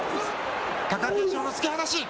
貴景勝の突き放し。